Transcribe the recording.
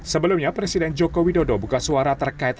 sebelumnya presiden joko widodo buka suara terkait